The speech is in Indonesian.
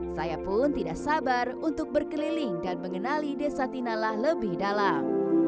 saya pun tidak sabar untuk berkeliling dan mengenali desa tinala lebih dalam